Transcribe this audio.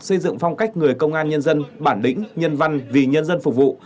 xây dựng phong cách người công an nhân dân bản lĩnh nhân văn vì nhân dân phục vụ